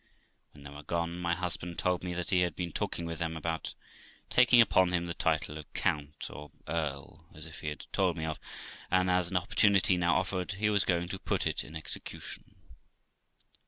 When they were gone, my husband told me he had been talking with them about taking upon him the title of Count or Earl of , as he had told me of, and as an opportunity now offered, he was going to put it in execution.